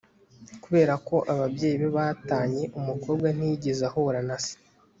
Kubera ko ababyeyi be batanye umukobwa ntiyigeze ahura na se